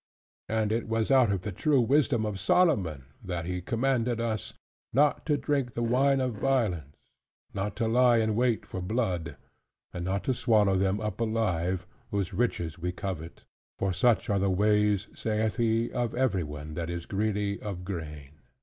And it was out of the true wisdom of Solomon, that he commandeth us, "not to drink the wine of violence; not to lie in wait for blood, and not to swallow them up alive, whose riches we covet: for such are the ways (saith he) of everyone that is greedy of gain."